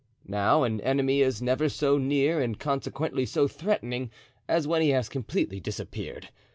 Now an enemy is never so near and consequently so threatening, as when he has completely disappeared.